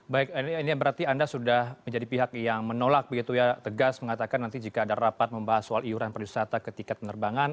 baik ini berarti anda sudah menjadi pihak yang menolak begitu ya tegas mengatakan nanti jika ada rapat membahas soal iuran perwisata ke tiket penerbangan